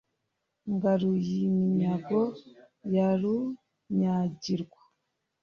ngaruy-iminyago ya runyagirwa,